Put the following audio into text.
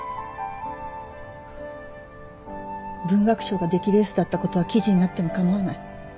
文学賞が出来レースだったことは記事になっても構わない。